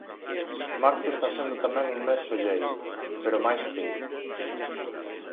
Marzo está sendo tamén un mes solleiro, pero máis frío.